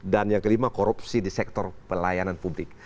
dan yang kelima korupsi di sektor pelayanan publik